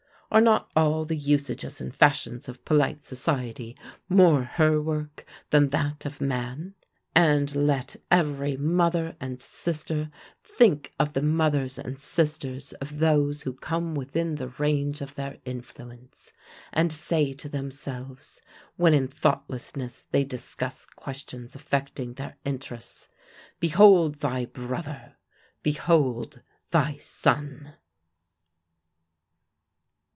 Are not all the usages and fashions of polite society more her work than that of man? And let every mother and sister think of the mothers and sisters of those who come within the range of their influence, and say to themselves, when in thoughtlessness they discuss questions affecting their interests, "Behold thy brother!" "Behold thy son!"